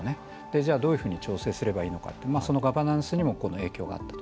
じゃあ、どういうふうに調整すればいいのかそのガバナンスにも影響があったと。